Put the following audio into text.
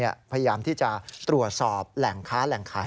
พยายามที่จะตรวจสอบแหล่งค้าแหล่งขาย